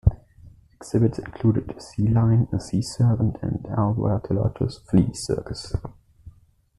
Exhibits included a sea lion, a sea serpent and L. Bertolotto's Flea circus.